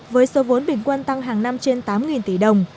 với số vốn bình quân tăng hàng năm trên tám tỷ đồng